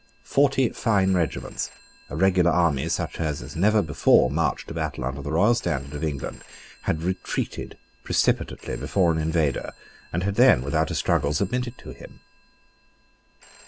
Forty fine regiments, a regular army such as had never before marched to battle under the royal standard of England, had retreated precipitately before an invader, and had then, without a struggle, submitted to him.